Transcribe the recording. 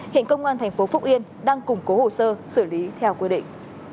hiện công an tp phúc yên đang củng cố hồ sơ xử lý theo quy định